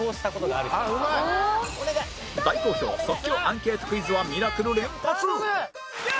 大好評即興アンケートクイズはミラクル連発！